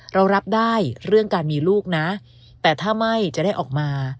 เรารับได้เรื่องการมีลูกนะแต่ถ้าไม่จะได้ออกมา